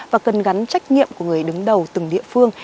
và cần gắn trách nhiệm của người đứng đầu từng địa phương